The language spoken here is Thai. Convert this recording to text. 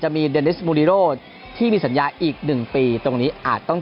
มีเดนิสมูดิโรที่มีสัญญาอีก๑ปีตรงนี้อาจต้อง